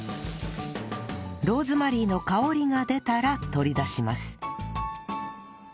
ローズマリーの香りが出たら取り出します